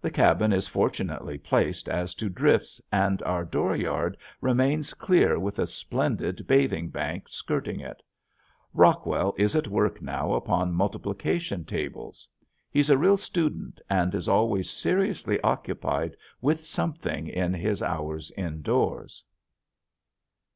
The cabin is fortunately placed as to drifts and our door yard remains clear with a splendid bathing bank skirting it. Rockwell is at work now upon multiplication tables. He's a real student and is always seriously occupied with something in his hours indoors.